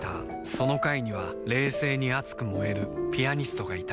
その階には冷静に熱く燃えるピアニストがいた